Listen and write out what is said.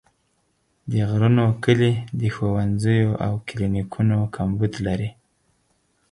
د غرونو کلي د ښوونځیو او کلینیکونو کمبود لري.